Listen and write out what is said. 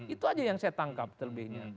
itu aja yang saya tangkap terlebihnya